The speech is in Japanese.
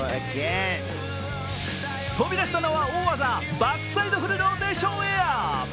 飛び出したのは大技、バックサイドフルローテーション。